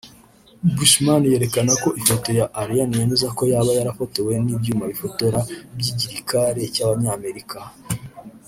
Bushman yerekana ifoto ya Alien yemeza ko yaba yarafotowe n'ibyuma bifotora by'igirikare cy'Abanyamerika